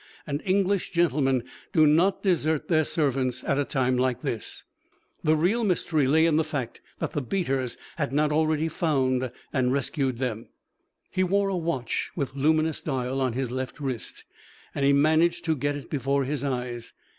And English gentlemen do not desert their servants at a time like this. The real mystery lay in the fact that the beaters had not already found and rescued them. He wore a watch with luminous dial on his left wrist, and he managed to get it before his eyes.